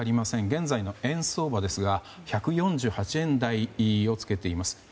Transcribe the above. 現在の円相場ですが１４８円台を付けています。